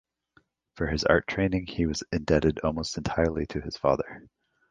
For his art training he was indebted almost entirely to his father.